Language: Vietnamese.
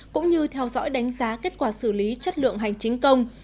cũng như theo dõi đánh giá kết quả xử lý chất lượng hành chính công